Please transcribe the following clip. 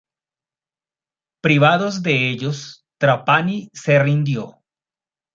Privados de ellos, Trapani se rindió.